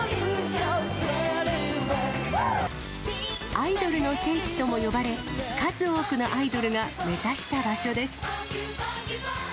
アイドルの聖地とも呼ばれ、数多くのアイドルが目指した場所です。